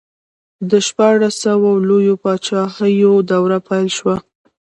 د شپاړسو لویو پاچاهیو دوره پیل شوه.